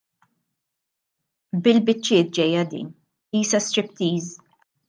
Bil-biċċiet ġejja din, qisha striptease!